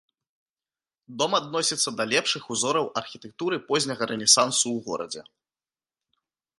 Дом адносіцца да лепшых узораў архітэктуры позняга рэнесансу ў горадзе.